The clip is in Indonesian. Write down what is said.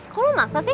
kok lu maksa sih